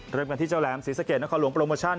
เริ่มกันที่เจ้าแหลมศรีสะเกดนครหลวงโปรโมชั่น